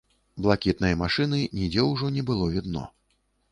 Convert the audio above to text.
Блакітнай машыны нідзе ўжо не было відно.